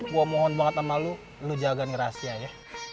gue mohon banget sama lo jaga nih rahasia ya